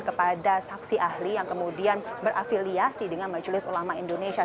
kepada saksi ahli yang kemudian berafiliasi dengan majelis ulama indonesia